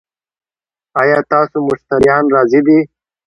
ایا ستاسو مشتریان راضي دي؟